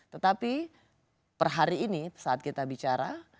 tetapi per hari ini saat kita bicara